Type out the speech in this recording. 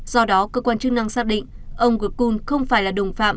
do đó cơ quan chức năng xác định ông gun không phải là đồng phạm